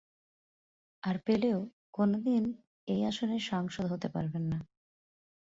আর পেলেও কোনো দিন এই আসনে সাংসদ হতে পারবেন না।